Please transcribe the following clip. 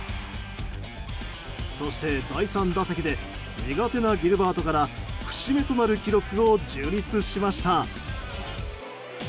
そして、第３打席で苦手なギルバートから節目となる記録を樹立しました。